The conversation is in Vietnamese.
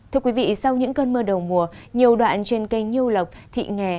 thưa quý vị sau những cơn mưa đầu mùa nhiều đoạn trên cây nhu lộc thị nghè